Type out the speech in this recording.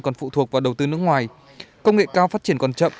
còn phụ thuộc vào đầu tư nước ngoài công nghệ cao phát triển còn chậm